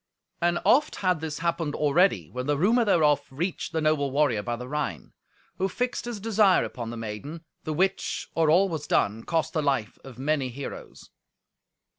And oft had this happened already, when the rumour thereof reached the noble warrior by the Rhine, who fixed his desire upon the maiden, the which, or all was done, cost the life of many heroes.